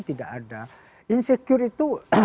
tidak ada insecure itu